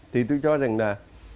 thì tôi cho rằng là